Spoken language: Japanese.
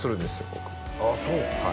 僕ああそう？